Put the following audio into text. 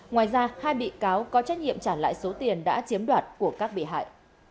ngoài ra hai bị cáo có trách nhiệm trả lại số tiền đã chiếm đoạt của các bị hại